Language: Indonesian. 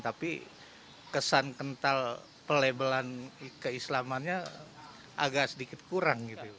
jadi kesan kental pelebelan keislamannya agak sedikit kurang gitu